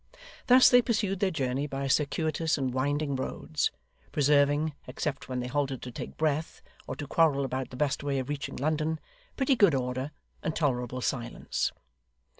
Thus they pursued their journey by circuitous and winding roads; preserving, except when they halted to take breath, or to quarrel about the best way of reaching London, pretty good order and tolerable silence.